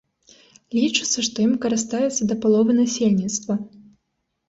Лічыцца, што ім карыстаецца да паловы насельніцтва.